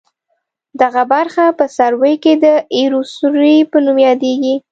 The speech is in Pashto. دغه برخه په سروې کې د ایروسروې په نوم یادیږي